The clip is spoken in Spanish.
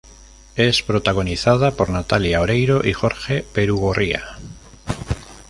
Es protagonizada por Natalia Oreiro y Jorge Perugorría.